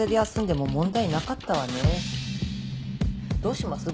どうします？